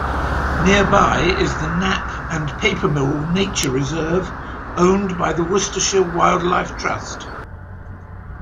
Nearby is the Knapp and Papermill nature reserve owned by the Worcestershire Wildlife Trust.